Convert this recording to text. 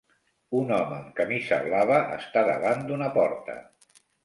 Un home amb camisa blava està davant d'una porta.